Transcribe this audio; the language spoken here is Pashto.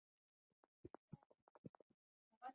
د دېوالونو د سطحې رټې او داغونه د سپین په مښلو له منځه یوسئ.